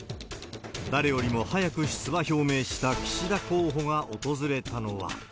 誰よりも早く出馬表明した岸田候補が訪れたのは。